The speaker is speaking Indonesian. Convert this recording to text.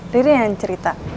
riri yang cerita